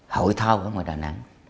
hội thao ở ngoài đà nẵng